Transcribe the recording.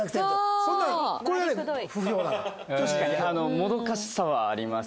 もどかしさはあります。